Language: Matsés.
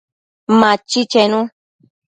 Machi chenu